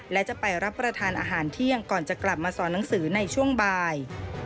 และจะไปรับประทานอาหารเที่ยงก่อนจะกลับมาสอนหนังสือในช่วงบ่าย